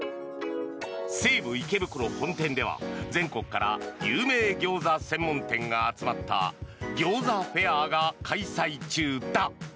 西武池袋本店では、全国から有名ギョーザ専門店が集まったギョーザフェアが開催中だ。